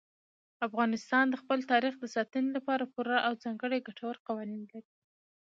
افغانستان د خپل تاریخ د ساتنې لپاره پوره او ځانګړي ګټور قوانین لري.